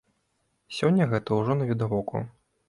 Сёння гэта ўжо навідавоку.